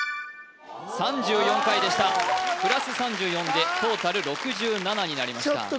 ３４回でしたプラス３４でトータル６７になりました